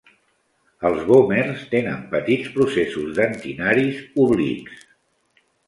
Els vòmers tenen petits processos dentinaris oblics.